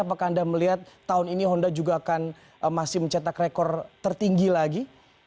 apakah anda melihat tahun ini honda juga akan masih mencetak rekor tertinggi lagi